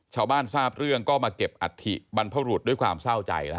ชาวบ้านทราบเรื่องดีกว่ามาเก็บอัดถิบันพรุษด้วยความเส้าใจ